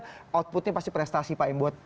sepak putih pasti prestasi pak yang buat